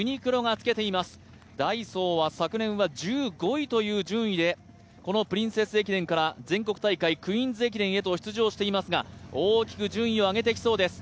ダイソーは昨年は１５位という順位でプリンセス駅伝から全国大会、クイーンズ駅伝へと出場していますが大きく順位を上げてきそうです。